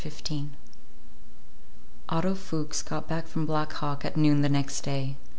XV OTTO FUCHS got back from Black Hawk at noon the next day.